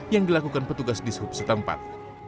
yang dilakukan petugas di sub setempat